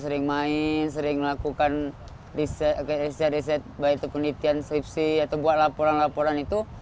sering main sering melakukan riset riset baik itu penelitian skripsi atau buat laporan laporan itu